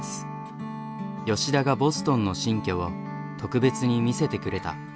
吉田がボストンの新居を特別に見せてくれた。